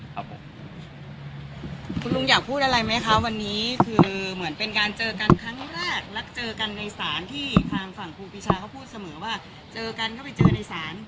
คุณลุงอยากพูดอะไรไหมคะวันนี้คือเหมือนเป็นการเจอกันครั้งแรกและเจอกันในศาลที่ทางฝั่งครูปีชาเขาพูดเสมอว่าเจอกันเข้าไปเจอในศาล